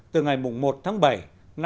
từ ngày một bảy hai nghìn một mươi ba